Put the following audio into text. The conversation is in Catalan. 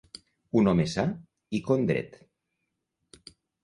Un home sa i condret.